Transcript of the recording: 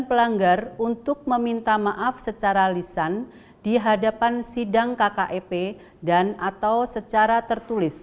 pelanggar untuk meminta maaf secara lisan di hadapan sidang kkep dan atau secara tertulis